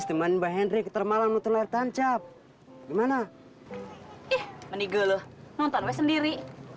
teman mbak hendrik termalam nonton air tancap gimana menigel nonton sendiri